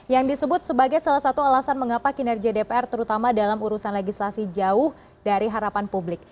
yang disebut sebagai salah satu alasan mengapa kinerja dpr terutama dalam urusan legislasi jauh dari harapan publik